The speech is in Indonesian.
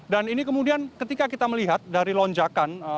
dan ini kemudian ketika kita melihat dari lonjakan